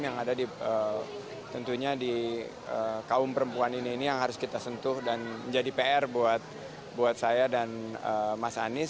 yang ada di tentunya di kaum perempuan ini ini yang harus kita sentuh dan menjadi pr buat saya dan mas anies